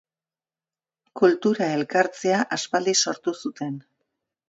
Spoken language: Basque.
Kultura elkartzea aspaldi sortu zuten.